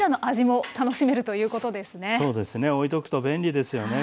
そうですねおいとくと便利ですよね